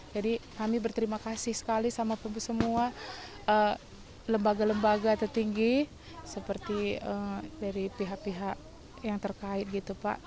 jadi kami berterima kasih sekali sama semua lembaga lembaga tertinggi seperti dari pihak pihak yang terkait gitu pak